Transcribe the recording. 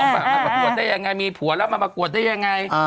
มาประกวดได้ยังไงมีผัวแล้วมาประกวดได้ยังไง